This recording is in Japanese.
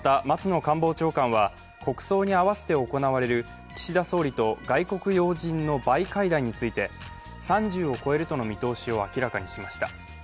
国葬に合わせて行われる岸田総理と外国要人のバイ会談について、３０を超えるとの見通しを明らかにしました。